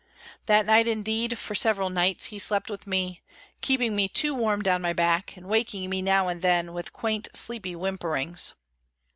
That night, indeed, for several nights, he slept with me, keeping me too warm down my back, and waking me now and then with quaint sleepy whimperings.